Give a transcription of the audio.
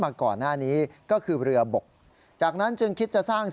มีใบพัดครบเหมือนทุกอย่าง